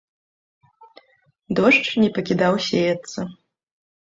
Дождж не пакідаў сеяцца.